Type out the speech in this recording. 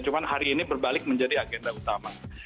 cuma hari ini berbalik menjadi agenda utama